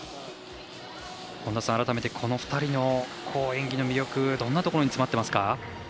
改めてこの２人の演技の魅力どんなところに詰まってますか？